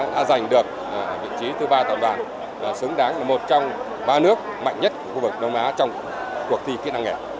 đã giành được vị trí thứ ba tập đoàn xứng đáng là một trong ba nước mạnh nhất của khu vực đông á trong cuộc thi kỹ năng nghề